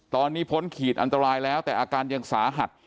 ตอนนี้พ้นขีดอันตรายแล้วแต่อาการยังสาหัส